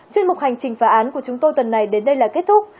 chuyên mục hành trình phá án của chúng tôi tuần này đến đây là kết thúc